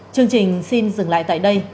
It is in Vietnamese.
chương trình xin dừng lại tại đây